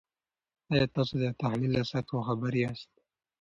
آیا تاسو د تحلیل له سطحو خبر یاست؟